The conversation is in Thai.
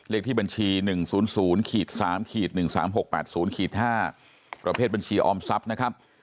เลขที่บัญชี๑๐๐๓๑๓๖๘๐๕ประเภทบัญชีออมทรัพย์นะครับ